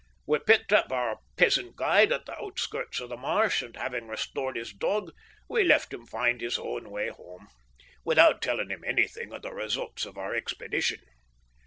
We picked up our peasant guide at the outskirts of the marsh, and having restored his dog we let him find his own way home, without telling him anything of the results of our expedition.